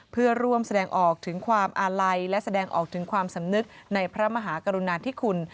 เพื่อร่วมแสดงออกถึงความอาลัยและแสดงออกถึงความสำนึกในพระมหากรุณาธิคุณ